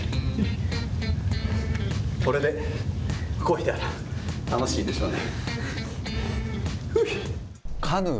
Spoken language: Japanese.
これでこいだら楽しいでしょうね。